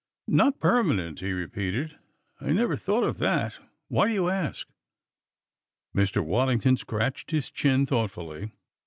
"Not permanent?" he repeated. "I never thought of that. Why do you ask?" Mr. Waddington scratched his chin thoughtfully.